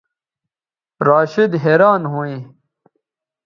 راشدحیریان ھویں